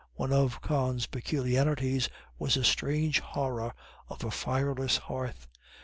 One of Con's peculiarities was a strange horror of a fireless hearth.